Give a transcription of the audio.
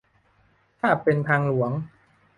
ถ้าเป็นทางหลวง